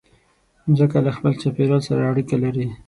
مځکه له خپل چاپېریال سره اړیکه لري.